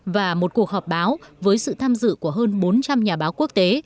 và một cuộc họp báo với sự tham dự của hơn bốn trăm linh nhà báo quốc tế